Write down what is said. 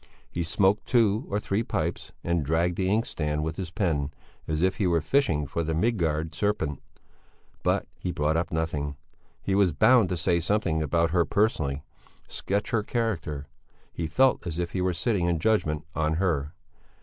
He smoked two or three pipes and dragged the inkstand with his pen, as if he were fishing for the Midgard serpent, but he brought up nothing. He was bound to say something about her personally, sketch her character; he felt as if he were sitting in judgment on her.